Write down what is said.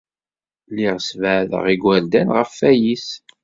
Lliɣ ssebɛadeɣ igerdan ɣef wayis.